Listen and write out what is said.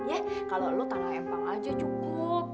yah kalau lu tanah empang aja cukup